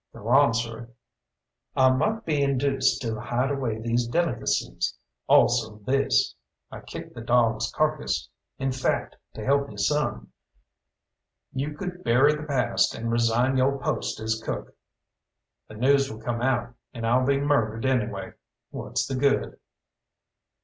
"Go on, sir." "I might be induced to hide away these delicacies. Also this" I kicked the dog's carcass "in fact to help you some. You could bury the past, and resign yo' post as cook." "The news will come out, and I'll be murdered anyway. What's the good?"